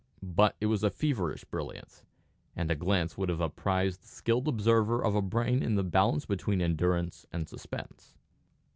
But it was a feverish brilliance, and a glance would have apprised the skilled observer of a brain in the balance between endurance and suspense.